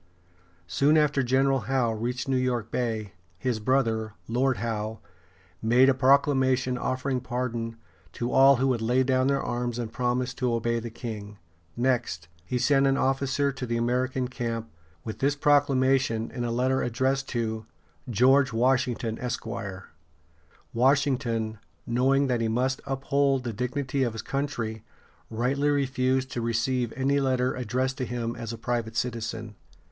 Soon after General Howe reached New York Bay, his brother, Lord Howe, made a proclamation offering pardon to all who would lay down their arms and promise to obey the king. Next, he sent an officer to the American camp, with this proclamation in a letter addressed to "George Washington, Esq." Washington, knowing that he must uphold the dignity of his country, rightly refused to receive any letter addressed to him as a private citizen.